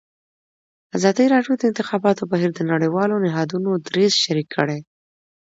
ازادي راډیو د د انتخاباتو بهیر د نړیوالو نهادونو دریځ شریک کړی.